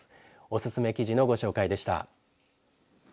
おすすめ記事のご紹介でした。